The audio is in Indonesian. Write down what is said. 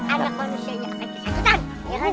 anak manusianya akan disangkutan